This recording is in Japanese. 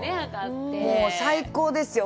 もう最高ですよ。